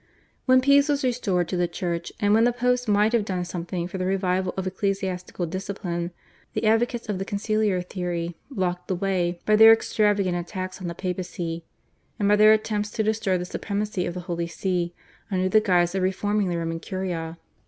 When peace was restored to the Church, and when the Popes might have done something for the revival of ecclesiastical discipline, the advocates of the conciliar theory blocked the way by their extravagant attacks on the Papacy, and by their attempts to destroy the supremacy of the Holy See under the guise of reforming the Roman Curia.